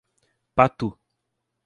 Patu